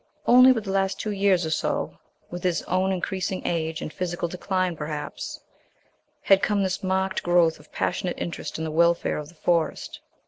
Only with the last two years or so with his own increasing age, and physical decline perhaps had come this marked growth of passionate interest in the welfare of the Forest.